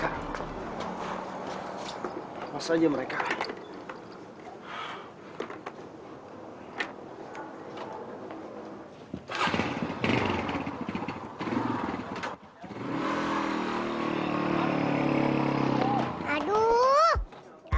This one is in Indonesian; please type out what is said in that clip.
jadi waktunya mereka lakuin apa yang mereka lakuin